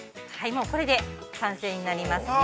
◆もうこれで、完成になりますね。